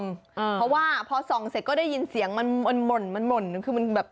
เพราะว่าพอส่องเสร็จก็ได้ยินเสียงมันหม่นมันหม่นคือมันแบบ